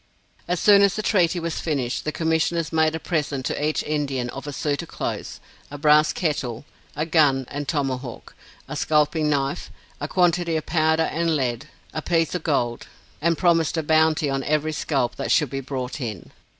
As soon as the treaty was finished, the Commissioners made a present to each Indian of a suit of clothes, a brass kettle, a gun and tomahawk, a scalping knife, a quantity of powder and lead a piece of gold, and promised a bounty on every scalp that should be brought in.